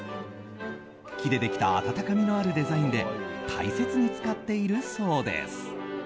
木でできた温かみのあるデザインで大切に使っているそうです。